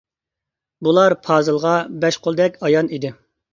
بۇلار پازىلغا بەش قولدەك ئايان ئىدى.